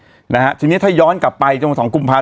ซึ่งที่นี้ถ้าย้อนกลับไปจนวัน๒กุมภาคม